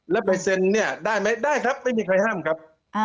แล้วไปเซ็นเนี่ยได้ไหมได้ครับไม่มีใครห้ามครับ